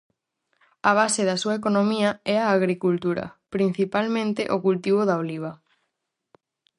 A base da súa economía é a agricultura, principalmente o cultivo da oliva.